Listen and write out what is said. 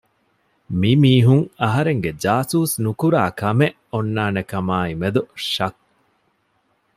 މި މީހުން އަހަރެންގެ ޖާސޫސް ނުކުރާ ކަމެއް އޮންނާނެ ކަމާއި މެދު ޝައްއް